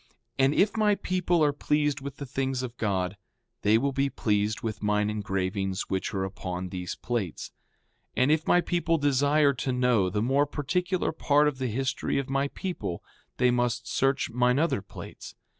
And if my people are pleased with the things of God they will be pleased with mine engravings which are upon these plates. 5:33 And if my people desire to know the more particular part of the history of my people they must search mine other plates.